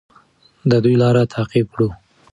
د دوی لار تعقیب کړو.